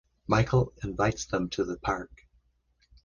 Michael invites them to the park.